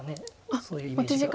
そういうイメージが。